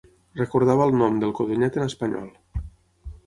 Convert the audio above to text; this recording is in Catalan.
Recordava el nom del codonyat en espanyol.